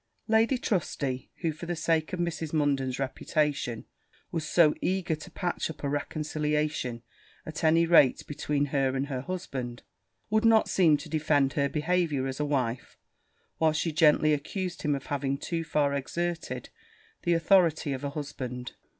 Lady Trusty, who, for the sake of Mrs. Munden's reputation, was so eager to patch up a reconciliation at any rate between her and her husband, would not seem to defend her behaviour as a wife, while she gently accused him of having too far exerted the authority of a husband.